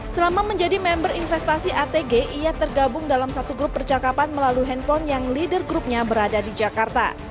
selama menjadi member investasi atg ia tergabung dalam satu grup percakapan melalui handphone yang leader groupnya berada di jakarta